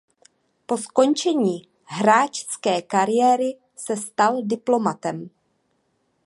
Po skončení hráčské kariéry se stal diplomatem.